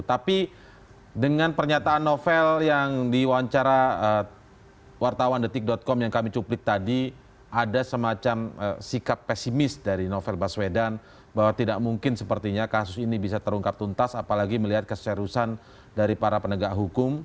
tapi dengan pernyataan novel yang diwawancara wartawan detik com yang kami cuplik tadi ada semacam sikap pesimis dari novel baswedan bahwa tidak mungkin sepertinya kasus ini bisa terungkap tuntas apalagi melihat keserusan dari para penegak hukum